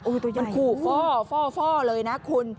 มันขู่ฟ่อเลยนะคุณ